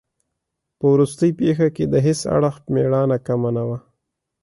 په وروستۍ پېښه کې د هیڅ اړخ مېړانه کمه نه وه.